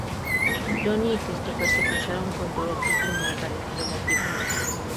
John y Christopher se casaron con Dorothy y Margaret, relativamente.